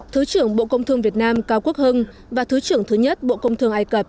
thứ trưởng bộ công thương việt nam cao quốc hưng và thứ trưởng thứ nhất bộ công thương ai cập